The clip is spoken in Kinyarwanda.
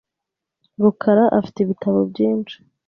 rukara afite ibitabo byinshi .